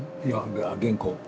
いや原稿。